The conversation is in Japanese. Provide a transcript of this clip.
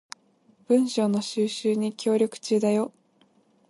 文章の収集に協力中だよ